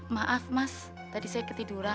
maaf mas tadi saya ketiduran